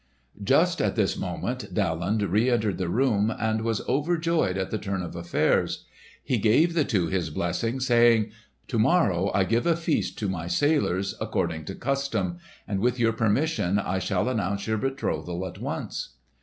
Just at this moment Daland reentered the room, and was overjoyed at the turn of affairs. He gave the two his blessing, saying, "To morrow I give a feast to my sailors, according to custom; and with your permission I shall announce your betrothal at once."